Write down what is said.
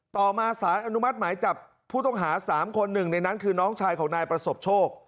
ต่อมาสารอนุมัติหมายจับผู้ต้องหา๓คนหนึ่งในนั้นคือน้องชายของนายประสบโชค